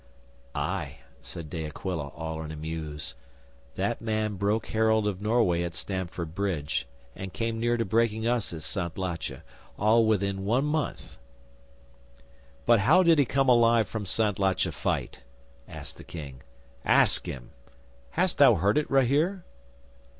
'"Ay," said De Aquila, all in a muse. "That man broke Harold of Norway at Stamford Bridge, and came near to breaking us at Santlache all within one month." '"But how did he come alive from Santlache fight?" asked the King. "Ask him! Hast thou heard it, Rahere?"